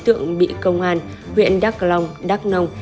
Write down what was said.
trường bị công an huyện đắk long đắk nông